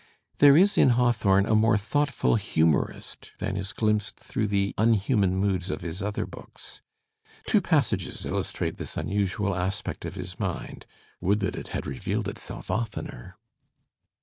There is in Hawthorne a more thoughtful humourist than is glimpsed through the unhuman moods of his other books. Two passages illustrate this unusual aspect of his mind — would that it had revealed itself oftener!